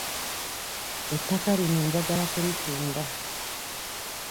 Ettaka lino njagala kulitunda.